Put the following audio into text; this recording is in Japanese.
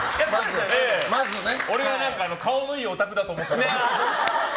俺は顔のいいオタクだと思ってた。